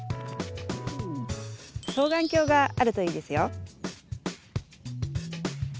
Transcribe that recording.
双眼鏡があるといいですよ。